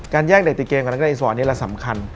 การแยกเด็กติดเกมกับนักกีฎาอีสสปอร์ตนี้มันสำคัญ